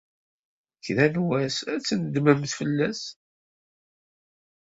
Kra n wass, ad tnedmemt fell-as.